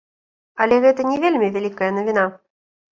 Але гэта не вельмі вялікая навіна.